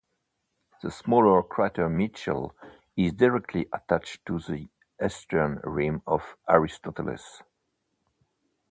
The smaller crater Mitchell is directly attached to the eastern rim of Aristoteles.